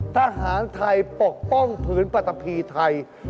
ทหารไทยปกป้องพื้นประตับปีไทย